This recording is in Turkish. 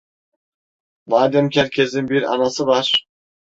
Madem ki herkesin bir anası var!